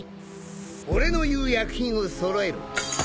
俺の言う薬品を揃えろ